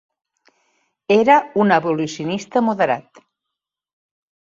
Era un abolicionista moderat.